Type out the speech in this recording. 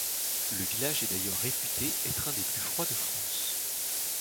Le village est d'ailleurs réputé être un des plus froids de France.